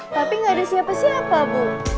tapi gak ada siapa siapa bu